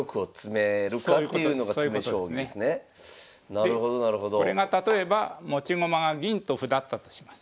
でこれが例えば持ち駒が銀と歩だったとします。